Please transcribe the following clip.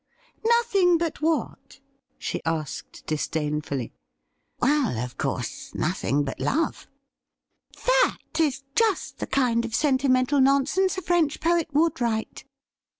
Nothing but what ?' she asked disdainfully. ' Well, of coui'se, nothing but love.' ' That is just the kind of sentimental nonsense a French poet would write.'